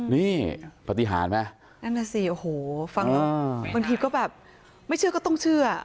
นี่ปฏิหารไหมนั่นน่ะสิโอ้โหฟังแล้วบางทีก็แบบไม่เชื่อก็ต้องเชื่อ